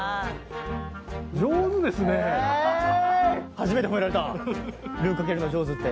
初めて褒められたルーかけるの上手って。